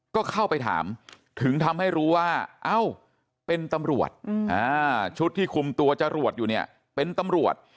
ก็เข้าไปถามถึงทำให้รู้ว่าเอ้าเป็นตำรวจชุดที่คุมตัวจรวดอยู่เนี่ยเป็นตำรวจ